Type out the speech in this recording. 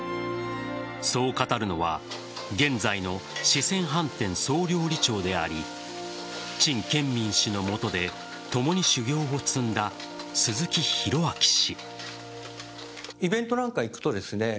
そう語るのは現在の四川飯店総料理長であり陳建民氏の下で共に修業を積んだ鈴木広明氏。